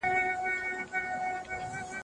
ايا منځګړي د تفريق حق لري؟